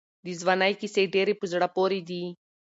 د ځوانۍ کیسې ډېرې په زړه پورې دي.